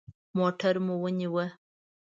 موټر مو ونیوه.